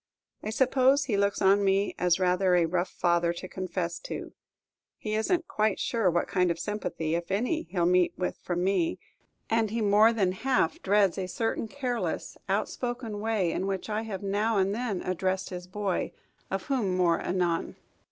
I suppose he looks on me as rather a rough father to confess to; he is n't quite sure what kind of sympathy, if any, he 'll meet with from me, and he more than half dreads a certain careless, outspoken way in which I have now and then addressed his boy, of whom more anon.